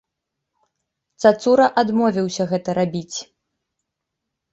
Цацура адмовіўся гэта рабіць.